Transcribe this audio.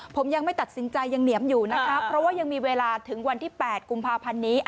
ผมยังไม่ตัดสินใจยังเหนียมอยู่นะคะเพราะว่ายังมีเวลาถึงวันที่๘กุมภาพันธ์นี้